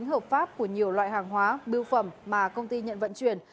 hợp pháp của nhiều loại hàng hóa bưu phẩm mà công ty nhận vận chuyển